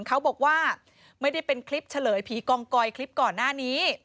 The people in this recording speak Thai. เขาบอกว่าไม่ได้เป็นคลิปเฉลยผีกองกอยคลิปก่อนหน้านี้